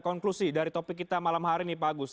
konklusi dari topik kita malam hari ini pak agus